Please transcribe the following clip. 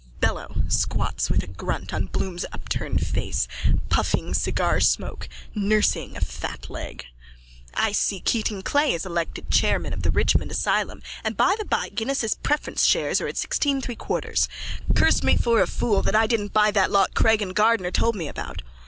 _ BELLO: (Squats with a grunt on Bloom's upturned face, puffing cigarsmoke, nursing a fat leg.) I see Keating Clay is elected vicechairman of the Richmond asylum and by the by Guinness's preference shares are at sixteen three quarters. Curse me for a fool that didn't buy that lot Craig and Gardner told me about.